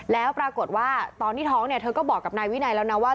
แล้วปรากฏว่าตอนที่ท้องเนี่ยเธอก็บอกกับนายวินัยแล้วนะว่า